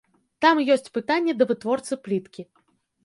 Там ёсць пытанні да вытворцы пліткі.